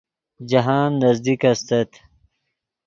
جاہند نزدیک استت